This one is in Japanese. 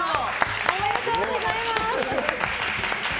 おめでとうございます！